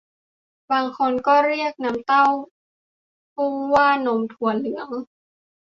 บางคนก็เรียกน้ำเต้าหู้ว่านมถั่วเหลือง